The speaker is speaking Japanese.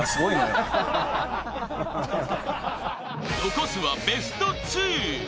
［残すはベスト２］